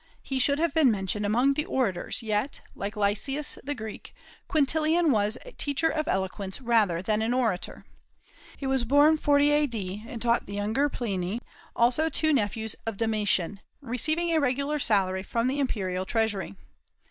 He should have been mentioned among the orators, yet, like Lysias the Greek, Quintilian was a teacher of eloquence rather than an orator. He was born 40 A.D., and taught the younger Pliny, also two nephews of Domitian, receiving a regular salary from the imperial treasury.